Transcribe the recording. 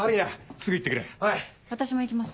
私も行きます。